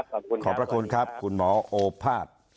ขอบพระคุณครับขอบพระคุณครับคุณหมอโอภาษย์